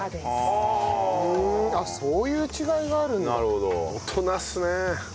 へえそういう違いがあるんだ。